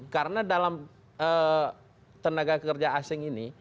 karena dalam tenaga kerja asing ini